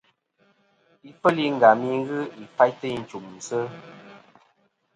Ifel i Ngam nɨn ghɨ ifaytɨ i nchùmsɨ.